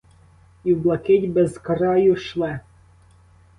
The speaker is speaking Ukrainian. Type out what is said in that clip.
І в блакить безкраю шле.